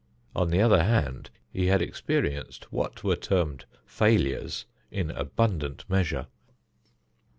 On the other hand, he had experienced what were termed failures in abundant measure.